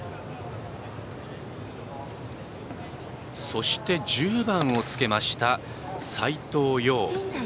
そして、１０番をつけた斎藤蓉。